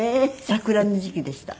桜の時期でした。